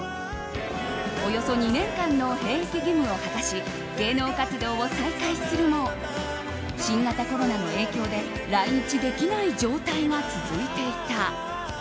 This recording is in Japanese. およそ２年間の兵役義務を果たし芸能活動を再開するも新型コロナの影響で来日できない状態が続いていた。